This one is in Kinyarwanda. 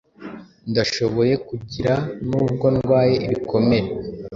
Ndashoboye kugiranubwo ndwaye ibikomere